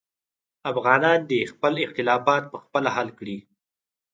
افغانان دې خپل اختلافات پخپله حل کړي.